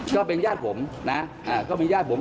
ก็เป็นญาติผมนะก็มีญาติผม